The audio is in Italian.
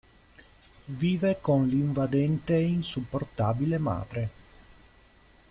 Vive con l'invadente e insopportabile madre.